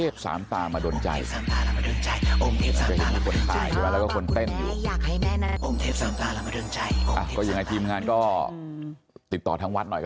สามตามาโดนใจแล้วก็คนเต้นอยู่อ่าก็ยังไงทีมงานก็ติดต่อทางวัดหน่อยก็